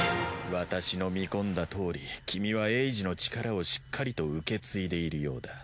私の見込んだとおり君はエイジの力をしっかりと受け継いでいるようだ。